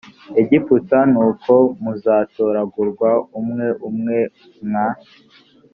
egiputa nuko muzatoragurwa umwe umwe mwa